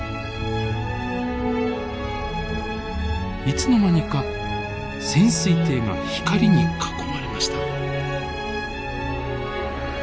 いつの間にか潜水艇が光に囲まれました。